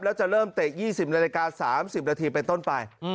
แล้วจะเริ่มเตะ๒๐นาฬิกา๓๐นาทีเป็นต้นไป